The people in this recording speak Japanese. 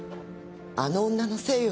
あの女のせいよ。